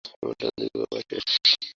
তোমার ডান দিকে বাবা, সে আসছে!